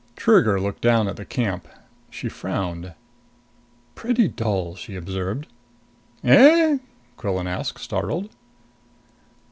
Trigger looked down on the camp. She frowned. "Pretty dull!" she observed. "Eh?" Quillan asked, startled.